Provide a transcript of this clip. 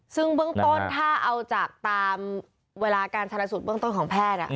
ซึ่งเบื้องต้นถ้าเอาจากตามเวลาการชนะสูตรเบื้องต้นของแพทย์